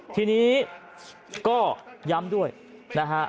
ทีนี้ก็ย้ำด้วยนะฮะ